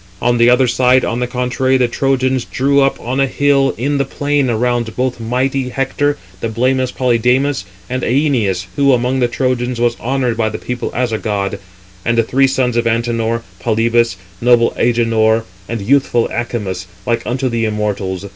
On the other side, on the contrary, the Trojans [drew up] on a hill in the plain around both mighty Hector, blameless Polydamas, and Æneas, who, among the Trojans, was honoured by the people as a god; and the three sons of Antenor, Polybus, noble Agenor, and youthful Acamas, like unto the immortals.